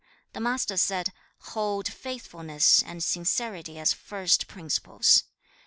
The Master said, 'Hold faithfulness and sincerity as first principles.